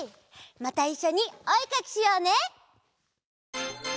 またいっしょにおえかきしようね！